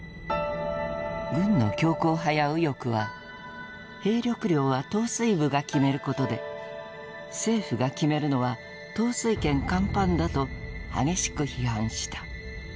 軍の強硬派や右翼は兵力量は統帥部が決めることで政府が決めるのは「統帥権干犯」だと激しく批判した。